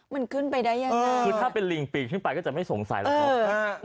มันขึ้นไปได้ยังไงคือถ้าเป็นลิงปีกขึ้นไปก็จะไม่สงสัยหรอกครับ